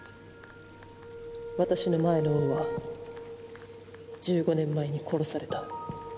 私の前の王は１５年前に殺された。